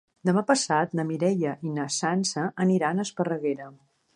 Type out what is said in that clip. Demà passat na Mireia i na Sança aniran a Esparreguera.